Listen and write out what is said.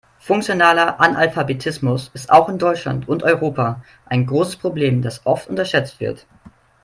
Funktionaler Analphabetismus ist auch in Deutschland und Europa ein großes Problem, das oft unterschätzt wird.